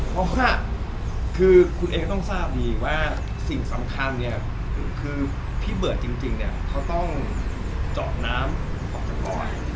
เพราะว่าคุณต้องทราบดีว่าสิ่งสำคัญคือพี่เบิร์ดจริงเขาต้องจอดน้ำออกจากก้อย